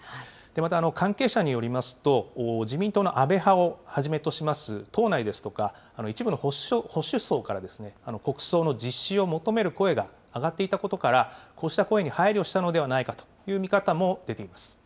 また関係者によりますと、自民党の安倍派をはじめとします党内ですとか、一部の保守層から、国葬の実施を求める声が上がっていたことから、こうした声に配慮したのではないかという見方も出ています。